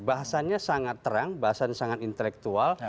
bahasanya sangat terang bahasanya sangat intelektual